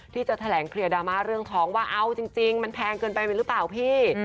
ที่จะแถลงเคลียร์ดราม่าเรื่องท้องว่าเอาจริงมันแพงเกินไปไปหรือเปล่าพี่